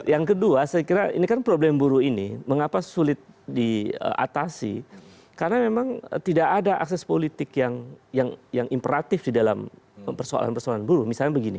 yang kedua saya kira ini kan problem buru ini mengapa sulit diatasi karena memang tidak ada akses politik yang imperatif di dalam persoalan persoalan buruh misalnya begini